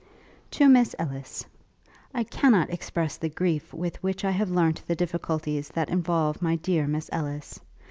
'To Miss Ellis. 'I cannot express the grief with which I have learnt the difficulties that involve my dear Miss Ellis.